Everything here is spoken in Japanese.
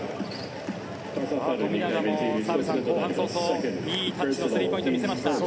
富永も澤部さん後半早々いいタッチのスリーポイントを見せました。